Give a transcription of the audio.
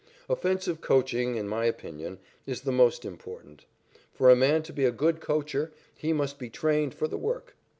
Offensive coaching, in my opinion, is the most important. For a man to be a good coacher he must be trained for the work.